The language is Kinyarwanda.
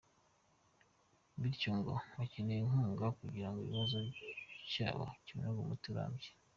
Bityo ngo hakenewe inkunga kugirango ikibazo cyabo kibone umuti urambye.